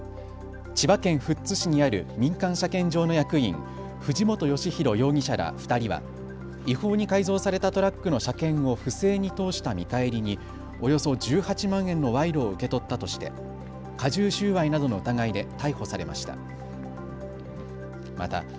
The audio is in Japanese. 千葉県富津市にある民間車検場の役員、藤本義博容疑者ら２人は違法に改造されたトラックの車検を不正に通した見返りにおよそ１８万円の賄賂を受け取ったとして加重収賄などの疑いで逮捕されました。